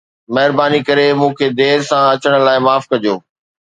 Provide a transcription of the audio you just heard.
مھرباني ڪري مون کي دير سان اچڻ لاءِ معاف ڪجو